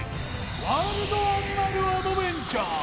ワールドアニマルアドベンチャー！